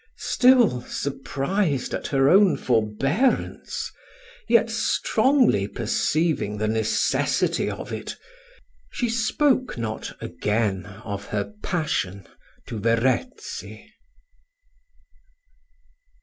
Still, surprised at her own forbearance, yet strongly perceiving the necessity of it, she spoke not again of her passion to Verezzi.